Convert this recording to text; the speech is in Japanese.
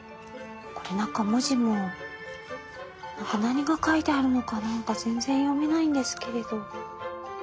これ中文字も何が書いてあるのかなんか全然読めないんですけれど。